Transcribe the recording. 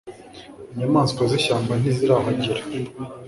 inyamaswa z'ishyamba ntizirahagera